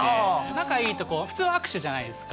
仲いいと、普通、握手じゃないですか。